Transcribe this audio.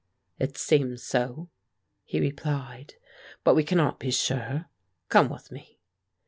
"It seems so," he replied. "But we cannot be sure. Come with me."